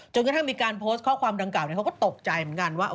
กระทั่งมีการโพสต์ข้อความดังกล่าเขาก็ตกใจเหมือนกันว่า